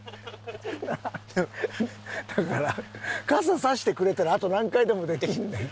だから傘差してくれたらあと何回でもできるねん。